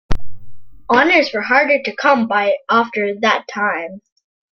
Honours were harder to come by after that time.